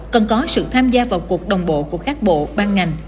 cần có sự tham gia vào cuộc đồng bộ của các bộ ban ngành